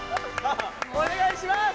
お願いします！